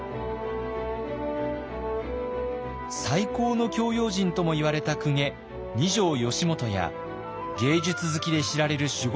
最高の教養人ともいわれた公家二条良基や芸術好きで知られる守護